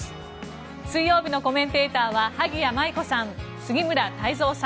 水曜日のコメンテーターは萩谷麻衣子さん、杉村太蔵さん